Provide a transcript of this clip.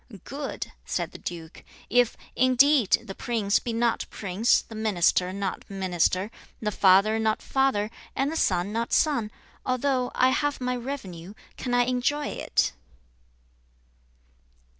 3. 'Good!' said the duke; 'if, indeed; the prince be not prince, the minister not minister, the father not father, and the son not son, although I have my revenue, can I enjoy it?'